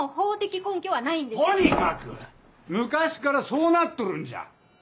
昔からそうなっとるんじゃ！